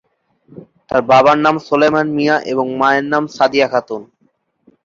তার বাবার নাম সোলায়মান মিয়া এবং মায়ের নাম সাদিয়া খাতুন।